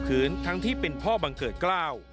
ถึงที่เป็นพ่อบังเกิดกล้าว